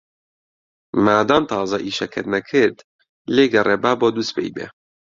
مادام تازە ئیشەکەت نەکرد، لێی گەڕێ با بۆ دووسبەی بێ.